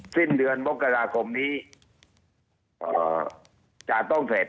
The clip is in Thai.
สิ้นเดือนมกราคมนี้จะต้องเสร็จ